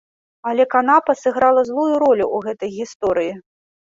Але канапа сыграла злую ролю ў гэтай гісторыі.